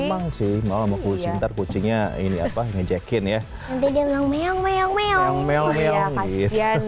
memang sih mau aku cinta kucingnya ini apa ngejekin ya nanti dia meyong meyong kasihan